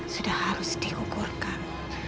sudah harus diukurkan